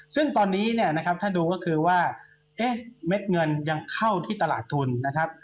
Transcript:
ซึ่งตอนนี้เนี่ยนะครับถ้าดูก็คือว่าเอ๊ะเม็ดเงินยังเข้าที่ตลาดทุนนะครับ